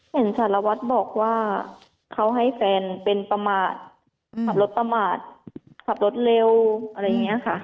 สารวัตรบอกว่าเขาให้แฟนเป็นประมาทขับรถประมาทขับรถเร็วอะไรอย่างนี้ค่ะ